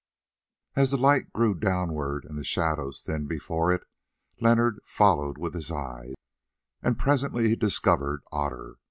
As the light grew downward and the shadows thinned before it, Leonard followed with his eyes, and presently he discovered Otter.